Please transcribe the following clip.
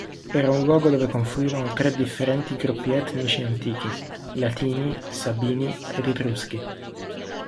Era un luogo dove confluivano tre differenti gruppi etnici antichi: Latini, Sabini ed Etruschi.